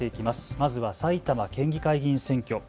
まずは埼玉県議会議員選挙。